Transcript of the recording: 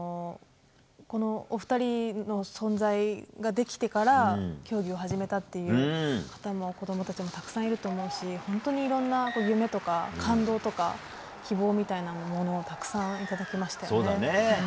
お二人の存在ができてから競技を始めたという子供たちもたくさんいると思うしいろいろな夢とか感動とか希望みたいなものもたくさんいただきましたよね。